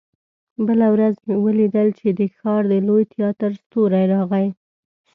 بله ورځ مې ولیدل چې د ښار د لوی تياتر ستورى راغی.